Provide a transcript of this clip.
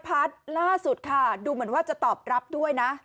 พาร์ทล่าสุดค่ะดูเหมือนว่าจะตอบรับด้วยนะ